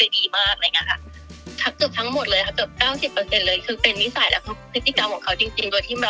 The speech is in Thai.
มีใครมีใคร